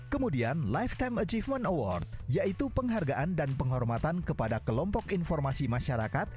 kemudian lifetime achievement award yaitu penghargaan dan penghormatan kepada kelompok informasi masyarakat